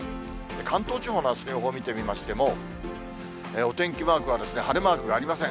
関東地方のあすの予想見てみましても、お天気マークは晴れマークがありません。